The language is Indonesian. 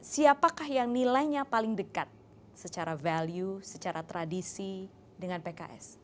siapakah yang nilainya paling dekat secara value secara tradisi dengan pks